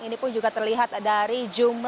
ini pun juga terlihat dari jumlah